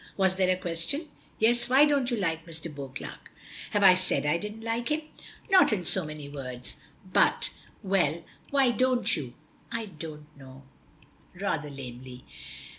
"Was there a question?" "Yes. Why don't you like Mr. Beauclerk?" "Have I said I didn't like him?" "Not in so many words, but Well, why don't you?" "I don't know," rather lamely.